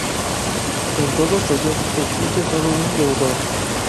En todos ellos, existe sólo un deudor.